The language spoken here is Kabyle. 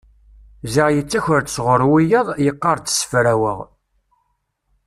Ziɣ yettaker-d sɣur wiyaḍ, yeqqar-d ssefraweɣ!